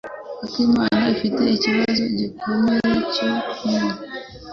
Akimana afite ikibazo gikomeye cyo kunywa.